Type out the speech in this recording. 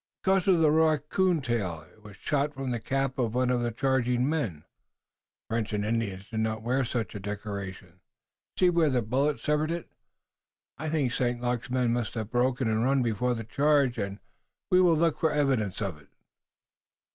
"Because of the raccoon tail. It was shot from the cap of one of the charging men. The French and the Indians do not wear such a decoration. See where the bullet severed it. I think St. Luc's men must have broken and run before the charge, and we will look for evidence of it."